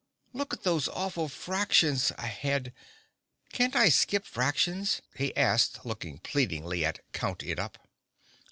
Look at those awful fractions ahead! Can't I skip fractions?" he asked looking pleadingly at Count It Up.